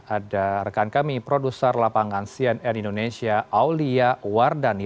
ada rekan kami produser lapangan cnn indonesia aulia wardani